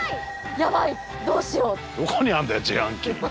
やばい、どうしよう。